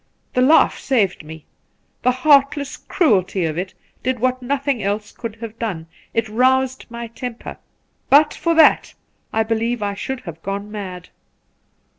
The laugh saved me ; the heartless cruelty of it did what nothing else could have done — it roused my temper ; but for that, I believe I should have gone mad.